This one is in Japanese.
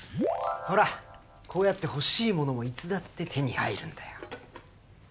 ほらこうやって欲しいものもいつだって手に入るんだよ。